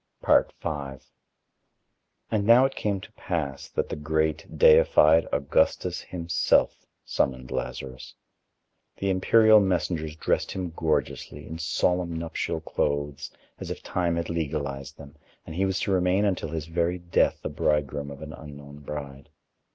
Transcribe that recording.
V And now it came to pass that the great, deified Augustus himself summoned Lazarus. The imperial messengers dressed him gorgeously, in solemn nuptial clothes, as if Time had legalized them, and he was to remain until his very death the bridegroom of an unknown bride.